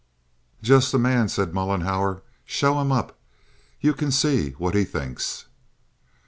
"Just the man," said Mollenhauer. "Show him up. You can see what he thinks."